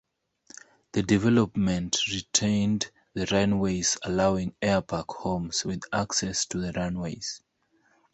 The development retained the runways allowing airpark homes with access to the runways.